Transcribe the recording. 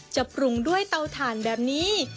จะปรุงด้วยเตาถ่านแบบนี้